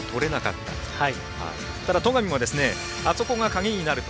ただ、戸上もあそこが鍵になると。